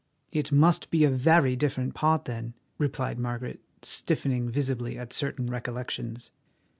"It must be a very different part then," replied Margaret, stiffening visibly at certain recollections.